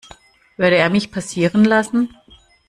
Würde er mich passieren lassen?